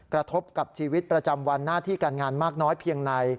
กระทบกับชีวิตประจำวันหน้าที่การงานมากน้อยเพียงใน